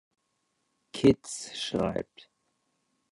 Kids schreibt.